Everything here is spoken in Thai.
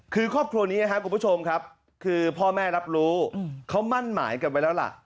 คือครอบครัวนี้นะครับคุณผู้ชมครับคือพ่อแม่รับรู้เขามั่นหมายกันไว้แล้วล่ะ